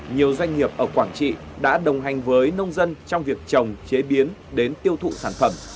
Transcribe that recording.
nhiều doanh nghiệp ở quảng trị đã đồng hành với nông dân trong việc trồng chế biến đến tiêu thụ sản phẩm